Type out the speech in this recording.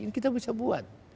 ini kita bisa buat